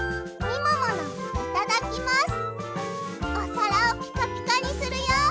いただきます。